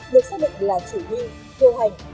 được xác định là chủ nguy vô hành